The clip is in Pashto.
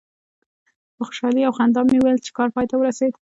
په خوشحالي او خندا مې وویل چې کار پای ته ورسید.